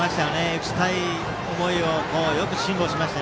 打ちたい思いをよく辛抱しました